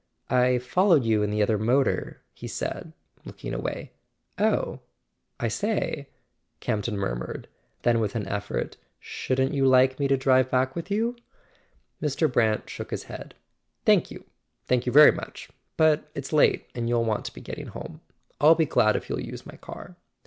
"I followed you in the other motor," he said, looking away. "Oh, I say " Campton murmured; then, with an effort: " Shouldn't you like me to drive back with you ?"[ 384 ] A SON AT THE FRONT Mr. Brant shook his head. "Thank you. Thank you very much. But it's late and you'll want to be getting home. I'll be glad if you'll use my car."